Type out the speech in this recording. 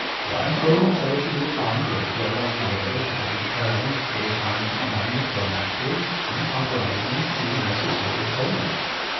Why throw yourselves into a conflict where, on whatever side you turn, you will find none but your natural, uncompromising, even necessary opponents?